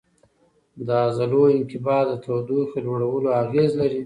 د عضلو انقباض د تودوخې لوړولو اغېز لري.